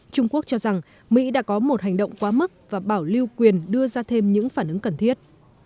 trung quốc cho rằng mỹ đã có một hành động quá mức và bảo lưu quyền đưa ra thêm những phản ứng cần thiết